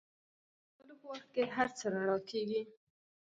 د لمر د ختلو په وخت کې هر څه رڼا کېږي.